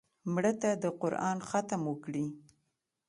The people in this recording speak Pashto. مړه ته د قرآن ختم وکړې